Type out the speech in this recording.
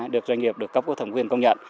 được doanh nghiệp được cấp vô thẩm quyền công nhận